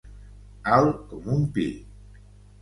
Alt com un pi.